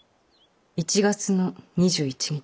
１月の２１日。